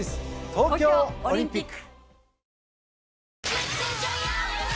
『東京オリンピック』。